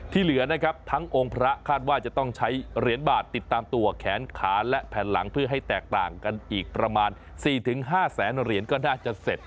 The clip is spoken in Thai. เหลือนะครับทั้งองค์พระคาดว่าจะต้องใช้เหรียญบาทติดตามตัวแขนขาและแผ่นหลังเพื่อให้แตกต่างกันอีกประมาณ๔๕แสนเหรียญก็น่าจะเสร็จ